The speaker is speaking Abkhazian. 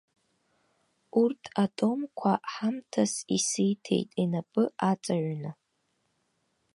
Урҭ атомқәа ҳамҭас исиҭеит, инапы аҵаҩны.